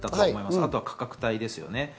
あとは価格帯です。